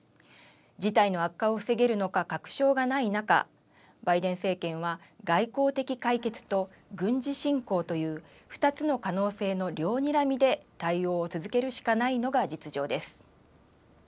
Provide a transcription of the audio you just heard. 事態の悪化を防げるのか確証がない中、バイデン政権は、外交的解決と軍事侵攻という２つの可能性の両にらみで対応を続けるしかないのが実情です。